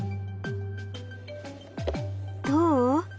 どう？